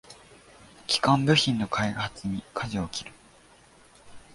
基幹部品の開発にかじを切る